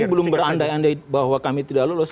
kami belum berandai andai bahwa kami tidak lolos